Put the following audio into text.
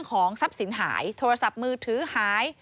ของทรัพย์สินหายโทรศัพท์มือถือหาย